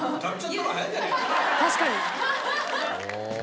「確かに」